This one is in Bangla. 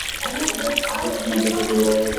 আমার মতে আপাতত ওটা লওয়াই ভাল।